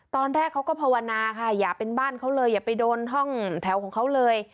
ตอนแรกเขาก็ภาวนาค่ะอย่าเป็นบ้านเขาเลยอย่าไปโดนห้องแถวของเขาเลย